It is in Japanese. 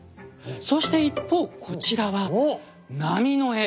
そして一方こちらは波の絵です。